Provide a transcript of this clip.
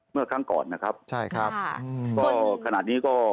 เมื่อครั้งก่อนนะครับใช่ครับก็ขนาดนี้ก็